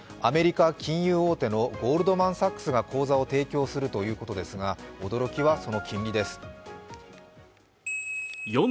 アメリカ金融大手のゴールドマン・サックスが口座を提供するということですが、驚きはその金利です。